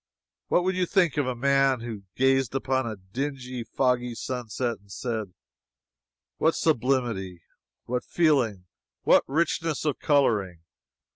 What would you think of a man who gazed upon a dingy, foggy sunset, and said: "What sublimity! What feeling! What richness of coloring!"